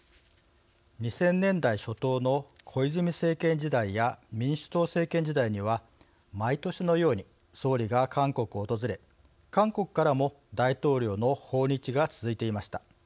２０００年代初頭の小泉政権時代や民主党政権時代には毎年のように総理が韓国を訪れ韓国からも大統領の訪日が続いていました。